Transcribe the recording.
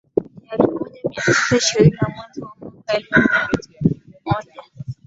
ya elfu moja mia tisa ishirini na mwezi wa kwanzaMwaka elfu moja mia